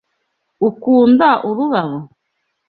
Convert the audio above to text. Ukunda ururabo?